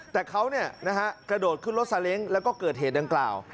แต่เขากระโดดขึ้นรถซาเล้งแล้วก็เกิดเหตุดังกล่าว